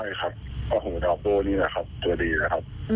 มีมาบโดนี่แล้วครับตัวดีนะครับ